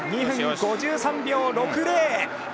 ２分５３秒６０。